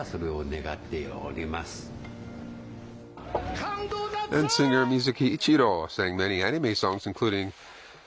感動だＺ。